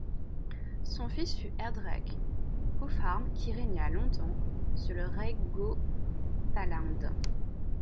Son fils fut Heiðrekr Ulfhamr, qui régna longtemps sur le Reidgotaland.